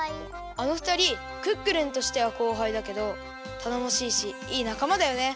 あのふたりクックルンとしてはこうはいだけどたのもしいしいいなかまだよね。